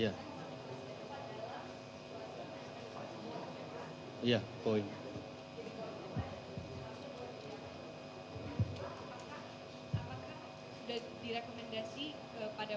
dipakai untuk bugatan itu terima kasih